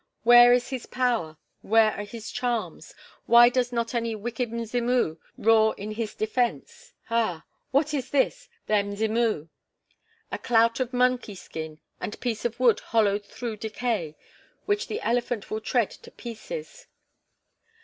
Where is his power? Where are his charms? Why does not any wicked Mzimu roar in his defense? Ah! What is this, their Mzimu? A clout of monkey skin and piece of wood hollowed through decay which the elephant will tread to pieces.